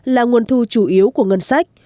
là nguồn thu chủ yếu của ngân sách